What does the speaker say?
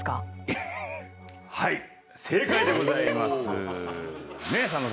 はい。